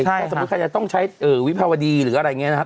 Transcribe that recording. ถ้าสมมุติใครจะต้องใช้วิภาวดีหรืออะไรอย่างนี้นะครับ